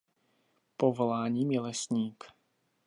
Povoláním je lesník.